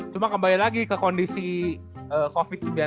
cuma kembali lagi ke kondisi covid sembilan belas